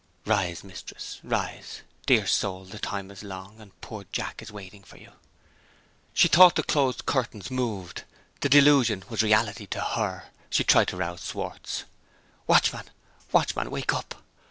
"Rise Mistress, rise! Dear soul, the time is long; and poor Jack is waiting for you!" She thought the closed curtains moved: the delusion was reality to her. She tried to rouse Schwartz. "Watchman! watchman! Wake up!"